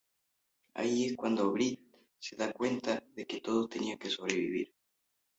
Ahí es cuando Brit se da cuenta de que todos tenían que sobrevivir.